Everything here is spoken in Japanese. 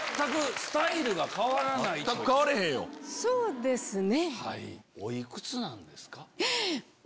そうですね。